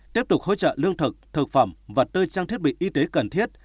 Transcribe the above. tiếp tục hỗ trợ lương thực thực phẩm và tư trang thiết bị y tế cần thiết